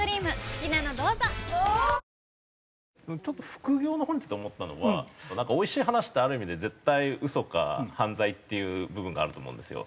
副業の方について思ったのはおいしい話ってある意味で絶対ウソか犯罪っていう部分があると思うんですよ。